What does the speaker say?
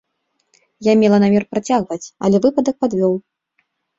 Я мела намер працягваць, але выпадак падвёў.